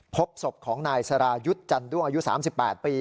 พบศพของนายสรายุทธ์จันด้วงอายุ๓๘ปี